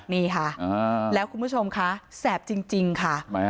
นี่ค่ะอ่าแล้วคุณผู้ชมคะแซ่บจริงจริงค่ะมั้ยค่ะ